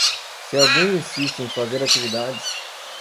Se alguém insiste em fazer atividades